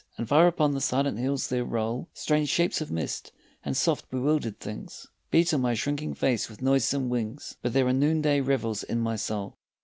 And far upon the silent hills there roll Strange shapes of mist, and soft bewildered things Beat on my shrinking face with noisome wings, But there are noonday revels in my soul.